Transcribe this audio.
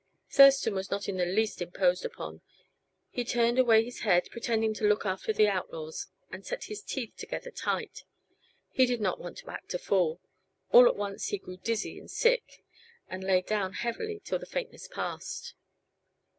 Thurston was not in the least imposed upon. He turned away his head, pretending to look after the outlaws, and set his teeth together tight. He did not want to act a fool. All at once he grew dizzy and sick, and lay down heavily till the faintness passed.